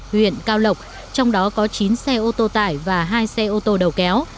huyện cao lộc trong đó có chín xe ô tô tải và hai xe ô tô đầu kéo